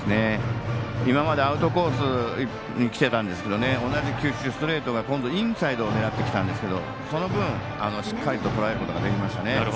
今までアウトコースにきていたんですけど同じ球種、ストレートが今度インサイドを狙ってきたんですけどその分、しっかりととらえることができましたね。